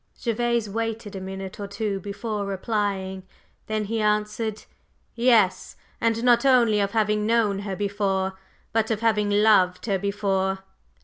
Gervase waited a minute or two before replying; then he answered: "Yes. And not only of having known her before, but of having loved her before.